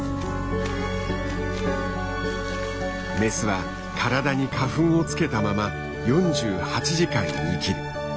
メスは体に花粉をつけたまま４８時間生きる。